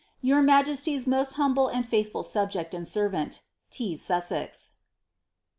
Your m^esty's le and faithful subject and servant, T. Sussex."